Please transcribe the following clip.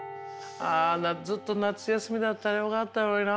ずっと夏休みだったらよかったのにな。